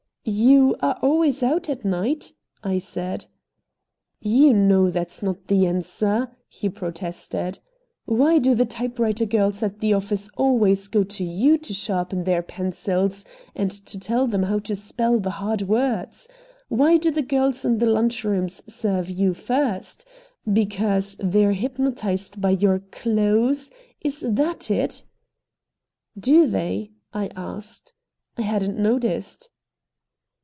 "You are always out at night," I said. "You know that's not the answer," he protested. "Why do the type writer girls at the office always go to YOU to sharpen their pencils and tell them how to spell the hard words? Why do the girls in the lunch rooms serve you first? Because they're hypnotized by your clothes? Is THAT it?" "Do they?" I asked; "I hadn't noticed."